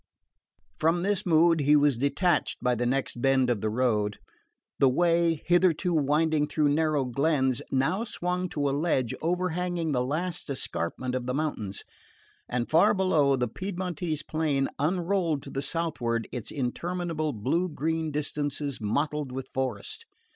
From this mood he was detached by the next bend of the road. The way, hitherto winding through narrow glens, now swung to a ledge overhanging the last escarpment of the mountains; and far below, the Piedmontese plain unrolled to the southward its interminable blue green distances mottled with forest.